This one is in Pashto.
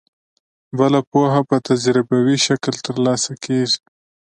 بله پوهه په تجربوي شکل ترلاسه کیږي.